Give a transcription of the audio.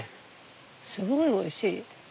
すごいおいしい。